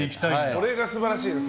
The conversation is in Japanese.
それが素晴らしいですね